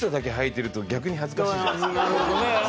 なるほどね。